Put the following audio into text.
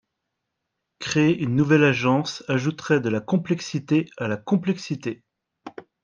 Créer une nouvelle agence ajouterait de la complexité à la complexité.